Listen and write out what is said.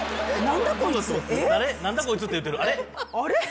「何だこいつ」って言うてるあれ？